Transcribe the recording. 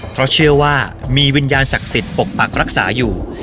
เพราะเชื่อว่ามีวิญญาณศักดิ์สิทธิ์ปกปักรักษาอยู่